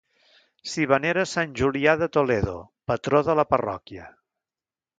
S'hi venera a sant Julià de Toledo, patró de la parròquia.